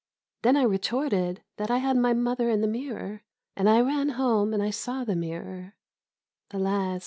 " Then I retorted that I had my mother in the mirror. And I ran home and I saw the mirror,^ Alas